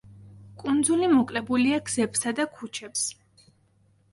კუნძული მოკლებულია გზებსა და ქუჩებს.